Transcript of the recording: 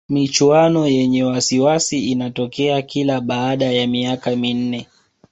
michuano yenye wasiwasi inatokea kila baada ya miaka minne